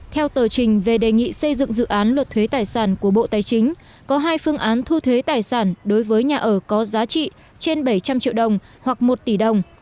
theo tờ trình về đề nghị xây dựng dự án luật thuế tài sản của bộ tài chính có hai phương án thu thuế tài sản đối với nhà ở có giá trị trên bảy trăm linh triệu đồng hoặc một tỷ đồng